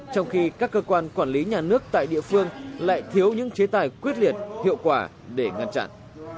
trong khi các cơ quan quản lý nhà nước tại địa phương lại thiếu những chế tài quyết liệt hiệu quả để ngăn chặn